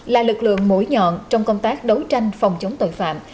là lực lượng mũi nhọn trong công tác đấu tranh phòng chống tội phạm